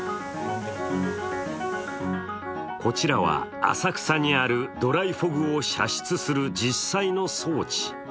こちらは浅草にあるドライフォグを射出する実際の装置。